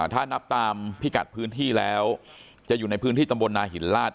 ถ้านับตามพิกัดพื้นที่แล้วจะอยู่ในพื้นที่ตำบลนาหินลาด